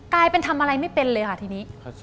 กลายเป็นทำอะไรไม่เป็นเลยค่ะทีนี้